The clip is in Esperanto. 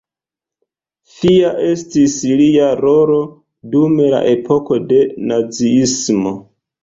Fia estis lia rolo dum la epoko de naziismo.